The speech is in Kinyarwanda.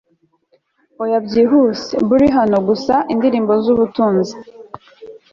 oya byihuse burly hano, gusa indirimbo zubutunzi